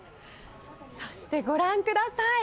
そしてご覧ください。